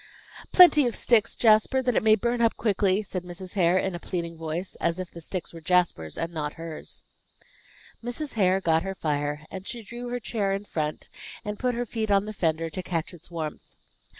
"Plenty of sticks, Jasper, that it may burn up quickly," said Mrs. Hare, in a pleading voice, as if the sticks were Jasper's and not hers. Mrs. Hare got her fire, and she drew her chair in front, and put her feet on the fender, to catch its warmth.